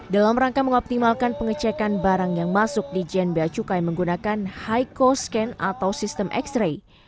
dalam rangka mengoptimalkan pengecekan barang yang masuk di gen bea cukai menggunakan high co scan atau sistem x ray